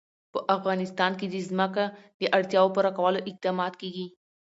په افغانستان کې د ځمکه د اړتیاوو پوره کولو اقدامات کېږي.